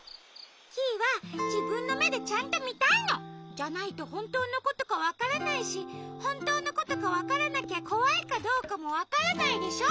キイはじぶんのめでちゃんとみたいの！じゃないとほんとうのことかわからないしほんとうのことかわからなきゃこわいかどうかもわからないでしょ。